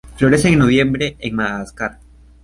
Florecen en noviembre, en Madagascar.